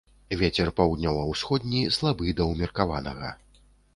Вецер паўднёва-ўсходні слабы да ўмеркаванага.